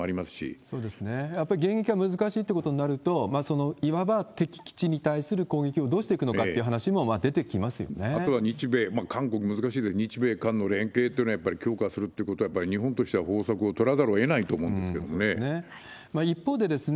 やっぱり迎撃は難しいってことになると、いわば敵基地に対する攻撃をどうしていくのかっていう話も出てきあとは日米、韓国、難しいですけど、日米韓の連携っていうのはやっぱり強化するっていうことは、やっぱり日本としては方策を取らざるをえないと思うんですけれどそうですね。